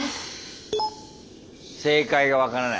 「正解がわからない」。